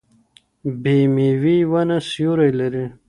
بې ميوې ونه سيوری لري.